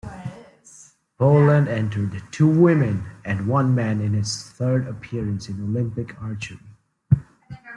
Poland entered two women and one man in its third appearance in Olympic archery.